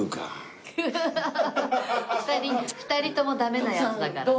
ハハハ２人ともダメなやつだからね。